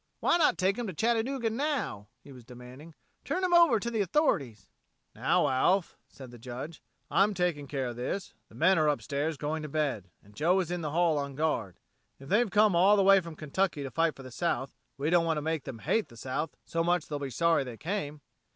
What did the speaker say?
"Why not take 'em to Chattanooga now?" he was demanding. "Turn 'em over to the authorities." "Now, Alf," said the Judge, "I'm taking care of this. The men are upstairs going to bed, and Joe is in the hall on guard. If they've come all the way from Kentucky to fight for the South, we don't want to make them hate the South so much that they'll be sorry they came.